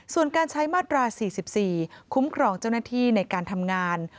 ส่วนการใช้มาตรา๔๔คุ้มครองเจ้าหน้าที่ในการทำงาน